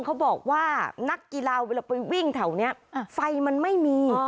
เขาบอกว่านักกีฬาเวลาไปวิ่งแถวนี้ไฟมันไม่มี